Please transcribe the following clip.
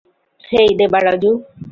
হেই, Devaraju!